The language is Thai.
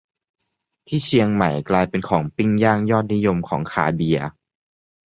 ที่เชียงใหม่ กลายเป็นของปิ้งย่างยอดนิยมของขาเบียร์